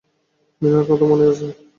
মিনার কথা মনে আছে?